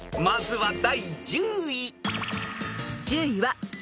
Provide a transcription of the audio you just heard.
［まずは第１０位］